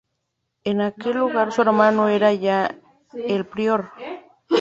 En aquel lugar su hermano era ya el prior.